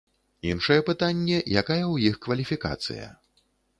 Іншае пытанне, якая ў іх кваліфікацыя.